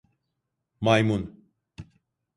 Maymun!